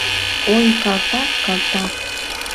— Ой, калтак-калтак!